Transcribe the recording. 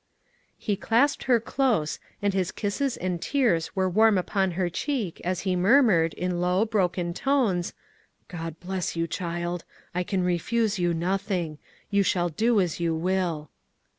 He clasped her close, and his kisses and tears were warm upon her cheek, as he murmured, in low, broken tones, "God bless you, child! I can refuse you nothing. You shall do as you will."